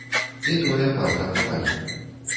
І тое варта павагі.